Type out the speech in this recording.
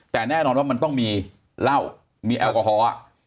แต่แน่นอนว่ามันต้องมีเหล้ามีแอลกอฮอล์